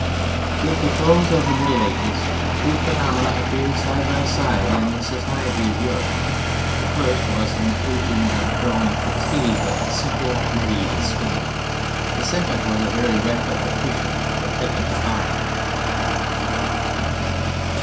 With the close of the Middle Ages two phenomena appeared side by side in the society of Europe. The first was an ageing and a growing fatigue of the simple mediæval scheme; the second was a very rapid accretion of technical power.